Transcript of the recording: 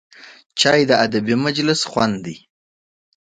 چای د ادبي مجلس خوند دی